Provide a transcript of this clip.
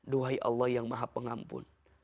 duhai allah yang maha pengampun